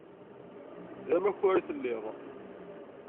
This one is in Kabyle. D amakar i telliḍ.